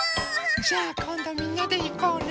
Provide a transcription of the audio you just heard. じゃあこんどみんなでいこうね。